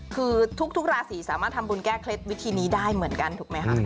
คือทุกราศีสามารถทำบุญแก้เคล็ดวิธีนี้ได้เหมือนกันถูกไหมคะ